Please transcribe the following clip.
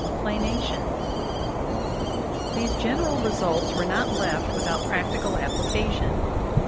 PLANATION. These general results were not left without practical appli cation.